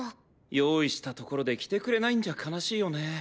用意したところで着てくれないんじゃ悲しいよね。